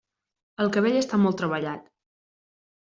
El cabell està molt treballat.